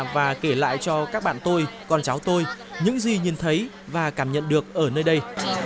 và kể lại cho các bạn tôi con cháu tôi những gì nhìn thấy và cảm nhận được ở nơi đây